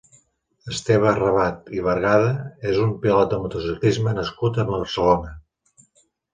Esteve Rabat i Bergada és un pilot de motociclisme nascut a Barcelona.